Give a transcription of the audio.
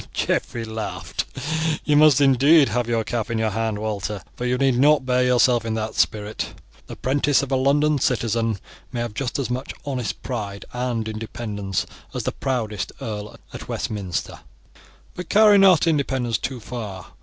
Geoffrey laughed. "You must indeed have your cap in your hand, Walter; but you need not bear yourself in that spirit. The 'prentice of a London citizen may have just as much honest pride and independence as the proudest earl at Westminster; but carry not independence too far.